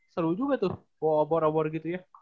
seru juga tuh obor obor gitu ya